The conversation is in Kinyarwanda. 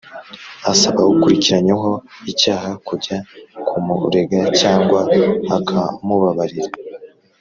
Asaba ukurikiranyweho icyaha kujya kumurega cyangwa akamubabarira